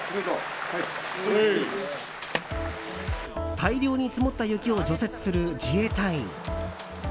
大量に積もった雪を除雪する自衛隊員。